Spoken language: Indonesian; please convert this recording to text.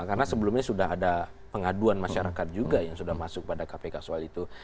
karena sebelumnya sudah ada pengaduan masyarakat juga yang sudah masuk pada kpk soal itu